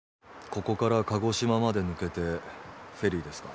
ここから鹿児島まで抜けてフェリーですか？